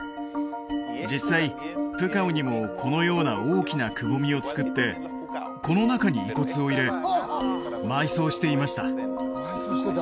実際プカオにもこのような大きなくぼみをつくってこの中に遺骨を入れ埋葬していました